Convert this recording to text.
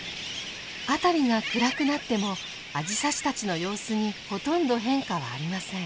辺りが暗くなってもアジサシたちの様子にほとんど変化はありません。